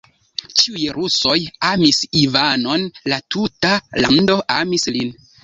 Ĉiuj rusoj amis Ivanon, la tuta lando amis lin.